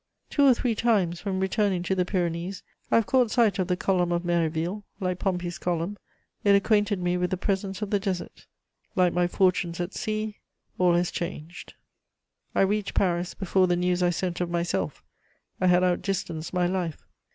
Two or three times, when returning to the Pyrenees, I have caught sight of the Column of Méréville; like Pompey's Column, it acquainted me with the presence of the desert: like my fortunes at sea, all has changed. I reached Paris before the news I sent of myself: I had out distanced my life.